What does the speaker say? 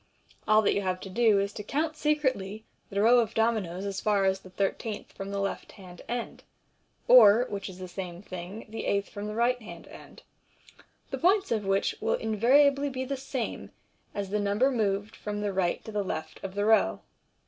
All that you have to do is to count secretly the row of dominoes as far as the thirteenth from the left hand end, or (which is the same thing) the eighth from the right hand end, the points of which will invariably be the same as the number moved from the right to the left of the row.